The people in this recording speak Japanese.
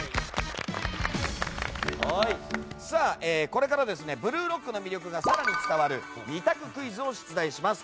これから「ブルーロック」の魅力が更に伝わる２択クイズを出題します。